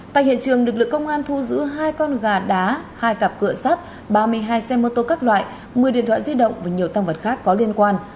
tại hiện trường lực lượng công an thu giữ hai con gà đá hai cặp cửa sắt ba mươi hai xe mô tô các loại một mươi điện thoại di động và nhiều tăng vật khác có liên quan